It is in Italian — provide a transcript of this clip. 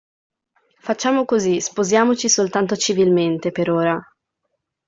Facciamo così, sposiamoci soltanto civilmente, per ora.